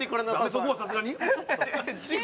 そこはさすがに？